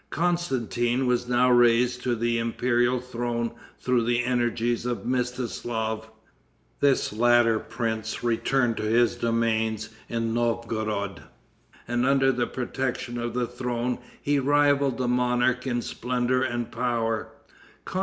Constantin was now raised to the imperial throne through the energies of Mstislaf. This latter prince returned to his domains in Novgorod, and under the protection of the throne he rivaled the monarch in splendor and power.